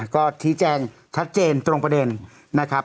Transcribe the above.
ก็ชี้แจงชัดเจนตรงประเด็นนะครับ